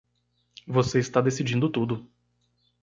Você está decidindo tudo!